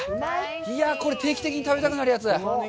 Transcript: いや、これ定期的に食べたくなるやつ。